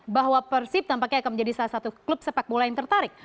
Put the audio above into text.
bahwa persib tampaknya akan menjadi salah satu klub sepak bola yang tertarik